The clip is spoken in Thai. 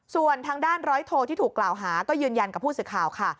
ส่วนทางด้านร้อยโทที่ถูกกล่าวหาก็ยืนยันกับผู้สื่อข่าวค่ะ